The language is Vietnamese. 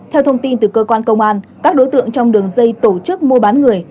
theo thông tin từ cơ quan công an các đối tượng trong đường dây tổ chức mua bán người